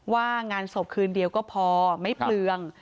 ว่างานศพคืนเดียวก็พอไม่เปลือง